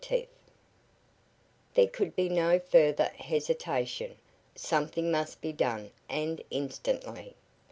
X. YETIVE There could be no further hesitation. Something must be done and instantly.